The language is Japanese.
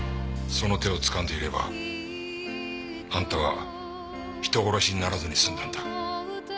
その手をつかんでいればあんたは人殺しにならずに済んだんだ。